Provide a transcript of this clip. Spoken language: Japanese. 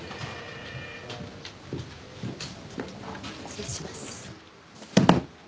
失礼します。